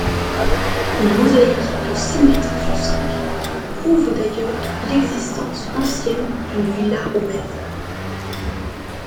Une mosaïque de six mètres sur cinq prouve d'ailleurs l'existence ancienne d'une villa romaine.